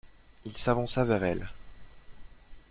Il s'avança vers elles.